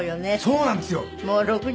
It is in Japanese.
そうなんですよ。